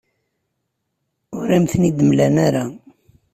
Ur am-ten-id-mlan ara.